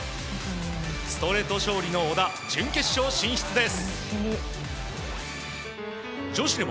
ストレート勝利の小田準決勝進出です。